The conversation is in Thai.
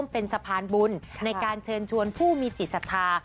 เป็นสะพานบุญในการเชิญชวนผู้มีจิตศรัทธา